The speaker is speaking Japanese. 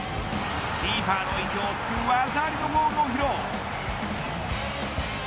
キーパーの意表を突く技ありのゴールを披露。